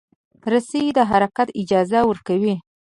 رسۍ د حرکت اجازه ورکوي.